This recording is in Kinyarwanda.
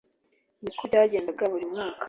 ni ko byagendaga buri mwaka